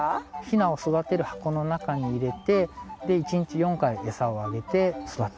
ヒナを育てる箱の中に入れて１日４回エサをあげて育っています。